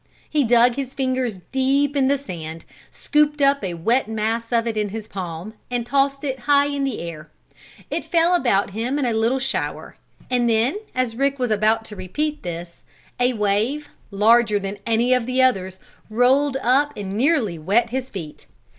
He dug his fingers deep in the sand, scooped up a wet mass of it in his palm, and tossed it high into the air. It fell about him in a little shower, and then, as Rick was about to repeat this, a wave, larger than any of the others, rolled up and nearly wet his feet.